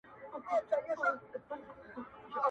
په لمرخاته دي د مخ لمر ته کوم کافر ویده دی؟